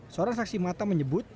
seorang saksi mata menyebut